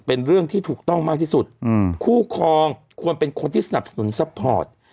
เป็นเรื่องที่ถูกต้องมากที่สุดอืมคู่ครองควรเป็นคนที่สนับสนุนซัพพอร์ต